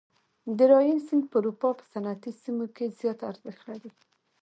د راین سیند په اروپا په صنعتي سیمو کې زیات ارزښت لري.